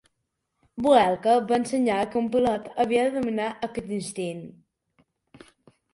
Boelcke va ensenyar que un pilot havia de dominar aquest instint.